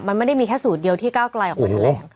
มันไม่ได้มีแค่สูตรเดียวที่ก้าวกลายออกมาแถลง